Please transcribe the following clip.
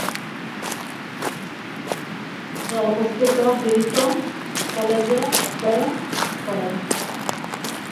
কোয়াজুলু-নাটালে অবস্থিত হিল্টন কলেজে অধ্যয়ন করেন।